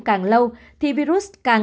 càng lâu thì virus càng